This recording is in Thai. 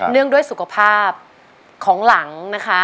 งด้วยสุขภาพของหลังนะคะ